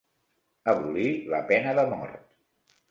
Abolir la pena de mort.